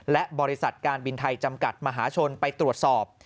และบริษัทการบินไทยจำกัดมหาชนไปตรวจสอบ